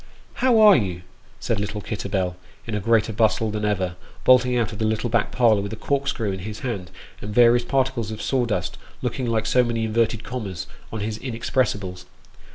" How are you ?" said little Kitterbell, in a greater bustle than ever, bolting out of the little back parlour with a corkscrew in his 364 Sketches by Bos. hand, and various particles of sawdust, looking like so many inverted commas, on his inexpressibles.